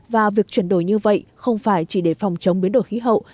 và việc chuyển đổi như vậy không phải chỉ để phòng chống biến đổi khí hậu